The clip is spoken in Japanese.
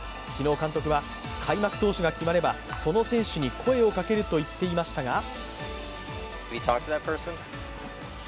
昨日、監督は開幕投手が決まればその選手に声をかけると言っていましたが